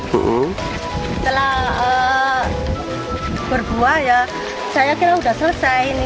setelah berbuah ya saya yakin udah selesai